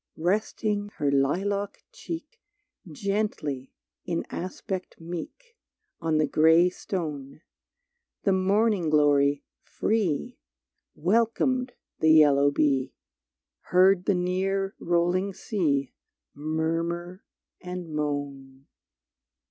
Resting her lilac cheek Gently, in aspect meek, On the gray stone, The morning glory, free, Welcomed the yellow bee, Heard the near rolling sea Murmur and moan.